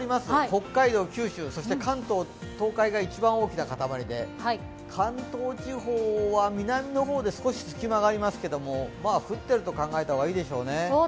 北海道、九州、そして関東が一番大きな塊で、関東地方は南の方で少し隙間がありますけど、まあ降ってると考えた方がいいでしょうね。